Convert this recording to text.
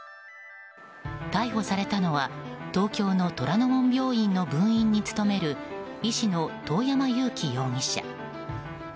逮捕されたのは東京の虎の門病院の分院に勤める医師の遠山友希容疑者。